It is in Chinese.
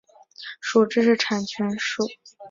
属知识产权署已注册的五家版权特许机构之一。